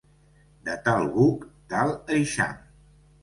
De tal buc, tal eixam.